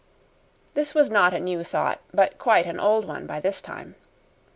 This was not a new thought, but quite an old one, by this time.